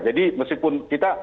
jadi meskipun kita